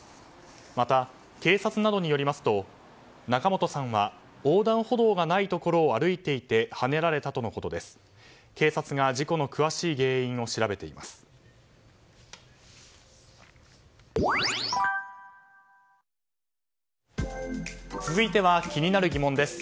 また、警察などによりますと仲本さんは横断歩道がないところを歩いていてはねられたとのことです。